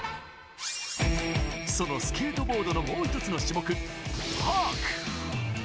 そのスケートボードのもう一つの種目、パーク。